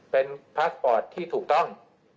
เป็นพาสปอร์ตที่ถูกต้อง